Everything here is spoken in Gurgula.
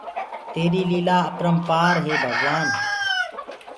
تيري ليلآن آپرمپآر ري هي ڀگوآن تو